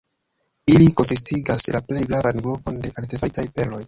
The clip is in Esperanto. Ili konsistigas la plej gravan grupon de artefaritaj perloj.